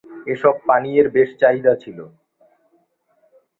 এসব পানীয়ের বেশ চাহিদা ছিল।